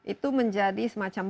itu menjadi semacam